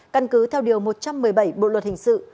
căn cứ theo điều một trăm một mươi bảy bộ luật hình sự